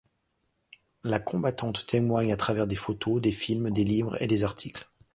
La combattante témoigne à travers des photos, des films, des livres et des articles.